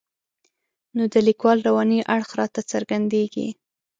نو د لیکوال رواني اړخ راته څرګندېږي.